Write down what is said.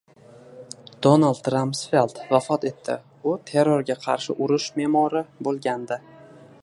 Donald Ramsfeld vafot etdi. U «terrorga qarshi urush» me'mori bo‘lgandi